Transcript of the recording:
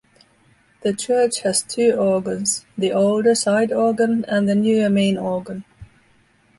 The church has two organs: the older side organ and the newer main organ.